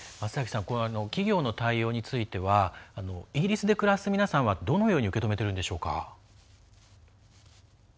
企業の対応についてはイギリスで暮らす皆さんはどのように受け止めているんでしょうか。